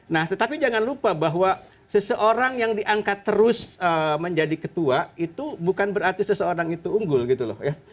nah tetapi jangan lupa bahwa seseorang yang diangkat terus menjadi ketua itu bukan berarti seseorang itu unggul gitu loh ya